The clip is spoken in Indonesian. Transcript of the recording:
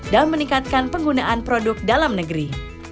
dan meningkatkan penggunaan produk dalam negeri